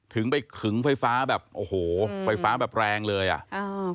ถึงไปขึงไฟฟ้าแบบโอ้โหไฟฟ้าแบบแรงเลยอ่ะอ่า